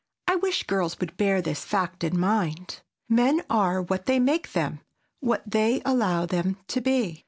] I wish girls would bear this fact in mind! Men are what they make them, what they allow them to be.